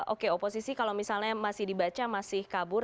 oke oposisi kalau misalnya masih dibaca masih kabur